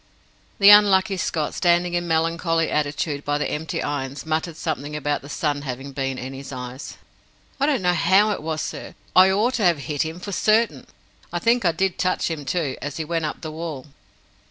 The unlucky Scott, standing in melancholy attitude by the empty irons, muttered something about the sun having been in his eyes. "I don't know how it was, sir. I ought to have hit him, for certain. I think I did touch him, too, as he went up the wall."